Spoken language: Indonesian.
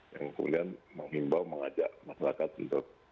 yang kemudian menghimbau mengajak masyarakat untuk